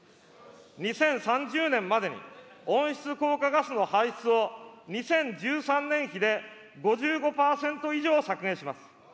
２０３０年までに温室効果ガスの排出を２０１３年比で５５％以上削減します。